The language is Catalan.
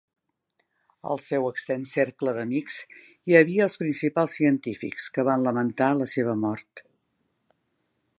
Al seu extens cercle d'amics hi havia els principals científics, que van lamentar la seva mort.